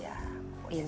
ya boleh sayang